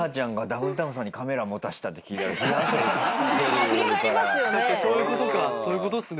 ひっくり返りますよね。